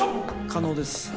可能です。